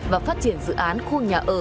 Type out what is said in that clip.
và phát triển dự án khu nhà ở